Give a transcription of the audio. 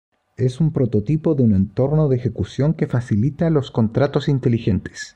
Es un prototipo de un entorno de ejecución que facilita los contratos inteligentes.